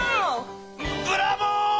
ブラボー！